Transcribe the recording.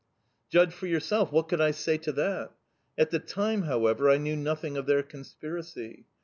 Judge for yourself, what could I say to that?... At the time, however, I knew nothing of their conspiracy.